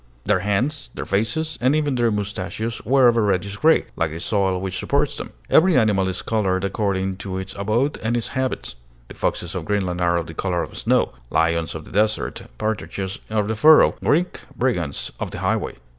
Their hands, their faces, and even their moustachios were of a reddish gray, like the soil which supports them. Every animal is colored according to its abode and its habits: the foxes of Greenland are of the color of snow; lions, of the desert; partridges, of the furrow; Greek brigands, of the highway.